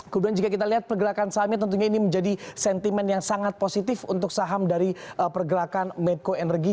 kemudian jika kita lihat pergerakan sahamnya tentunya ini menjadi sentimen yang sangat positif untuk saham dari pergerakan medco energy